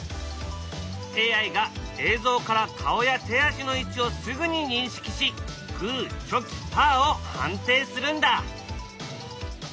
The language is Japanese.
ＡＩが映像から顔や手足の位置をすぐに認識しグーチョキパーを判定するんだ！